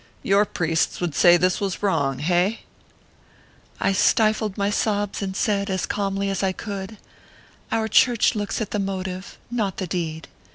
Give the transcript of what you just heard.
Your priests would say this was wrong hey ?" I stifled my sobs and said, as calmly as I could : ORPHEUS C. KERR PAPERS. 71 " Our Church looks at the motive, not the deed.